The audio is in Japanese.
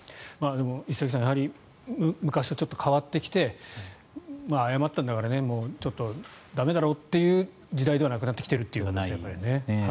でも、石崎さん昔とちょっと変わってきて謝ったんだからちょっと、駄目だろという時代ではなくなってきているということですね。